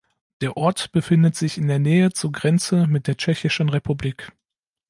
Der Ort befindet sich in der Nähe zur Grenze mit der Tschechischen Republik.